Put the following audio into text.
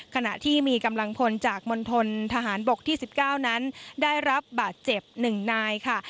ขณะที่มีกำลังพลจากมณฑลทหารบกที่๑๙นั้นได้รับบาดเจ็บ๑นายค่ะ